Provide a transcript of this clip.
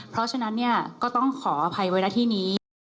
เพราะฉะนั้นเนี่ยก็ต้องขออภัยไว้หน้าที่นี้